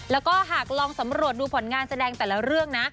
แล้วก็หากลองสำรวจดูผลงานแสดงแต่ละเรื่องนะ